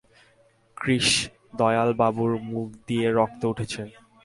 কৃষ্ণদয়ালবাবুর মুখ দিয়ে রক্ত উঠছে।